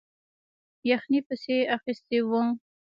یخنۍ پسې اخیستی وو.